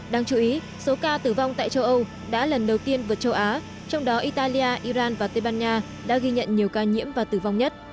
đáng chú ý số ca tử vong tại châu âu đã lần đầu tiên vượt châu á trong đó italia iran và tây ban nha đã ghi nhận nhiều ca nhiễm và tử vong nhất